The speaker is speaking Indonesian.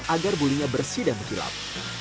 agar bulunya bersih dan menghilang